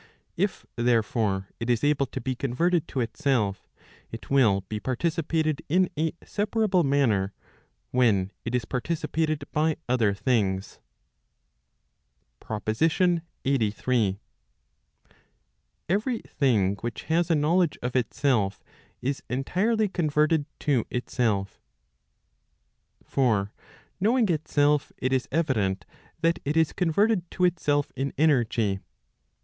If, therefore, it is able to be converted to itself, it will be participated in a: separable manner, when it is participated by other things. PROPOSITION LXXXIII. Every thing which has a knowledge of itself, is entirely converted to itself. For knowing itself, it is evident that it is converted to itself in energy.